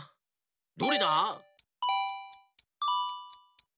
どれだ？